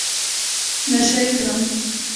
نشه يي کړم.